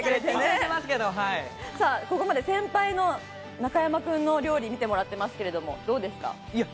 ここまで先輩の中山君の料理見てもらってますがどうですか？